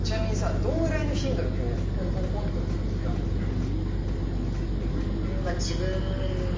どんぐらいの頻度でポンポンポンって送るの？